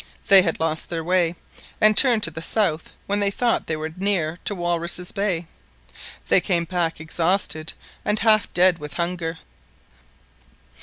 They had lost their way, and turned to the south when they thought they were near to Walruses' Bay. They came back exhausted and half dead with hunger.